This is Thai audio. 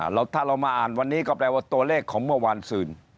แล้วถ้าเรามาอ่านวันนี้ก็แปลว่าตัวเลขของเมื่อวานซื่น